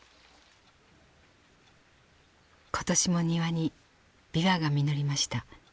今年も庭にビワが実りました。